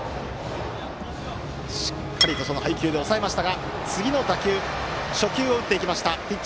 しっかりと配球で抑えましたが次の初球を打っていきました。